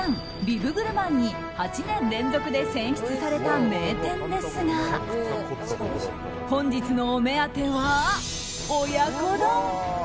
ビブグルマンに８年連続で選出された名店ですが本日のお目当ては、親子丼。